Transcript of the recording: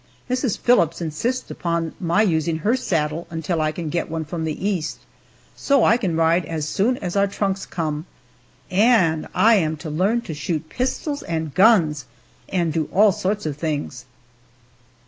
Mrs. Phillips insists upon my using her saddle until I can get one from the East, so I can ride as soon as our trunks come. And I am to learn to shoot pistols and guns, and do all sorts of things.